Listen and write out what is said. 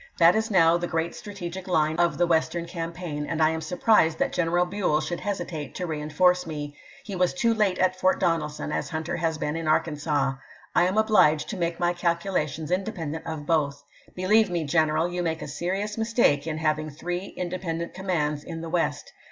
That is now the great strategic line of the Western campaign, and I am surprised that General Buell should hesitate to reen force me. He was too late at Fort Donelson, as Hunter has been in Arkansas. I am obliged to make my calcula tions independent of both. Believe me, general, you make a serious mistake in having three independent commands in the West.